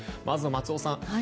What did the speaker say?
まず、松尾さん